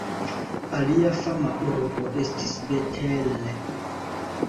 Alia fama urbo estis Bet-El.